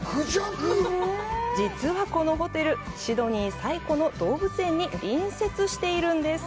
実は、このホテル、シドニー最古の動物園に隣接しているんです。